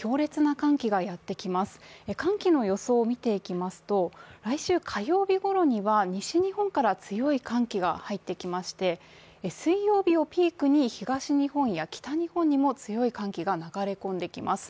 寒気の予想を見ていきますと来週火曜日ごろには西日本から強い寒気が入ってきまして水曜日をピークに東日本や北日本にも強い寒気が流れ込んできます。